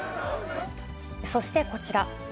そしてこちら。